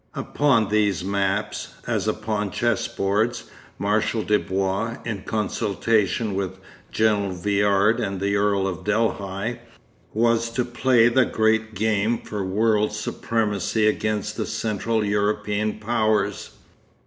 Upon these maps, as upon chessboards, Marshal Dubois, in consultation with General Viard and the Earl of Delhi, was to play the great game for world supremacy against the Central European powers.